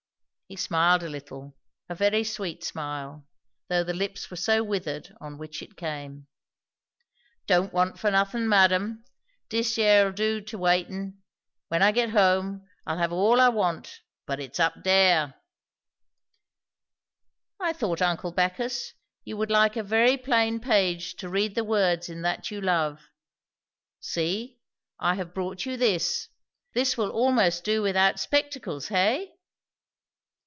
He smiled a little, a very sweet smile, though the lips were so withered on which it came. "Don't want for not'ing, madam. Dis yer'll do to wait in. When I get home, I'll have all I want; but it's up dere." "I thought, uncle Bacchus, you would like a very plain page to read the words in that you love. See, I have brought you this. This will almost do without spectacles, hey?"